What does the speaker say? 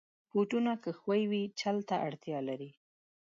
بوټونه که ښوی وي، چل ته اړتیا لري.